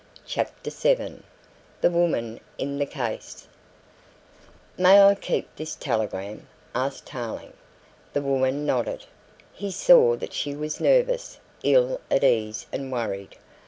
CHAPTER VII THE WOMAN IN THE CASE "May I keep this telegram?" asked Tarling. The woman nodded. He saw that she was nervous, ill at ease and worried.